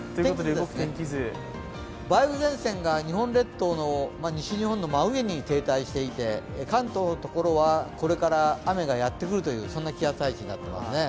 梅雨前線が日本列島の西の真上に停滞していて、関東のところはこれから雨がやってくるという気圧配置になっています。